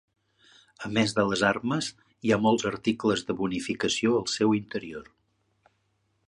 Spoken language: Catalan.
A més de les armes, hi ha molts articles de bonificació al seu interior.